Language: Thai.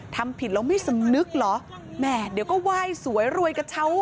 ทำผิดแล้วไม่สำนึกเหรอแหม่เดี๋ยวก็ไหว้สวยรวยกระเช้า